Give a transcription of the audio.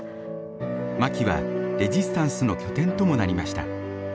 マキはレジスタンスの拠点ともなりました。